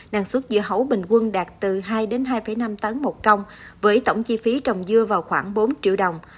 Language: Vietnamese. năng suất dưa hấu bình quân đạt từ hai đồng đến hai năm trăm linh đồng một công với tổng chi phí trồng dưa vào khoảng bốn triệu đồng